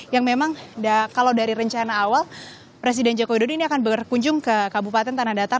yang memang kalau dari rencana awal presiden joko widodo ini akan berkunjung ke kabupaten tanah datar